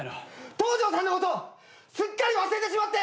東條さんのことすっかり忘れてしまって。